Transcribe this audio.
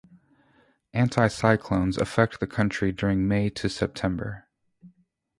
Anti-cyclones affect the country during May to September.